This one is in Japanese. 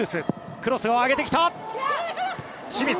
クロスを上げてきた。